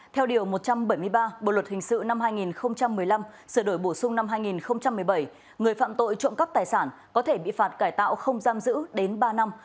theo điều một trăm bảy mươi ba bộ luật hình sự năm hai nghìn một mươi năm sửa đổi bổ sung năm hai nghìn một mươi bảy người phạm tội trộm cắp tài sản có thể bị phạt cải tạo không giam giữ đến ba năm